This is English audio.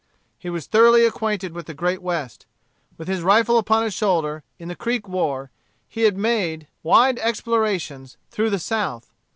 He was thoroughly acquainted with the Great West. With his rifle upon his shoulder, in the Creek War, he had made wide explorations through the South.